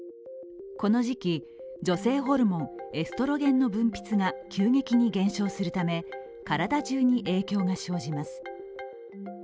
この時期、女性ホルモン、エストロゲンの分泌が急激に減少するため体じゅうに影響が生じます。